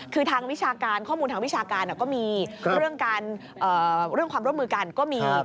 คือข้อมูลทางวิชาการก็มีเรื่องความร่วมมือกันก็มี